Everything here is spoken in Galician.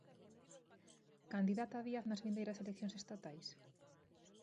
Candidata Díaz nas vindeiras eleccións estatais?